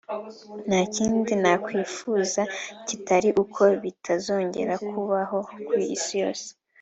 nta kindi nakwifuza kitari uko bitazongera kubaho ku isi yose